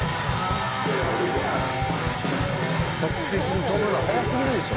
「客席に飛ぶの早すぎるでしょ」